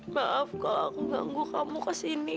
maaf kak aku ganggu kamu kesini